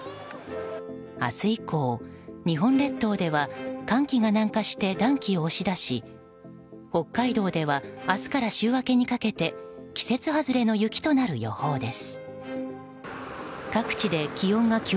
明日以降、日本列島では寒気が南下して暖気を押し出し、北海道では明日から週明けにかけて季節外れの雪となる予報です。